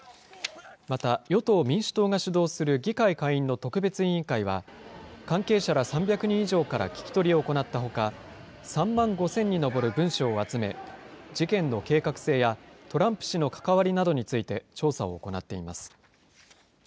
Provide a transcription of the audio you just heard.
また、与党・民主党が主導する議会下院の特別委員会は、関係者ら３００人以上から聞き取りを行ったほか、３万５０００に上る文書を集め、事件の計画性やトランプ氏の関わりなどについて調査を行っています。